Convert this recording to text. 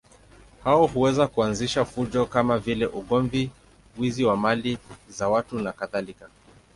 Hao huweza kuanzisha fujo kama vile ugomvi, wizi wa mali za watu nakadhalika.